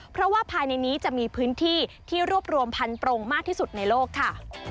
เพราะว่าภายในนี้จะมีพื้นที่ที่รวบรวมพันโปรงมากที่สุดในโลกค่ะ